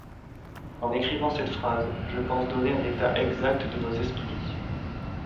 En écrivant cette phrase, je pense donner un état exact de nos esprits.